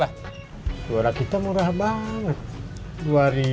suara kita murah banget